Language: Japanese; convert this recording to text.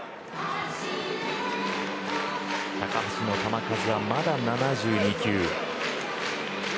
高橋の球数はまだ７２球。